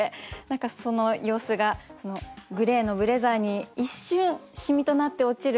何かその様子がグレーのブレザーに一瞬染みとなって落ちる雨粒。